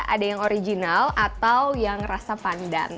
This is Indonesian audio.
ada yang original atau yang rasa pandan